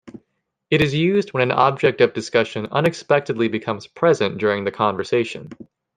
It is used when an object of discussion unexpectedly becomes present during the conversation.